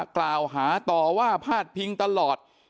กล่าวหาต่อว่าพาดพิงตลอด